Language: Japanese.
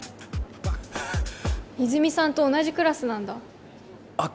泉さんと同じクラスなんだあっ